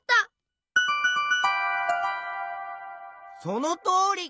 そのとおり！